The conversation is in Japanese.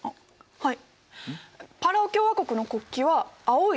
はい。